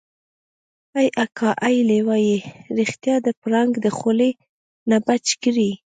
ای اکا ای لېوه يې رښتيا د پړانګ د خولې نه بچ کړی.